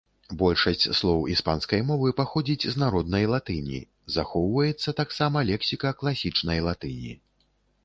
Большасць слоў іспанскай мовы паходзіць з народнай латыні, захоўваецца таксама лексіка класічнай латыні.